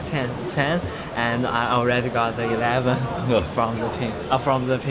dan saya sudah dapat sebelas dari mesin pin